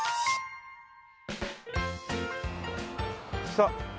さあ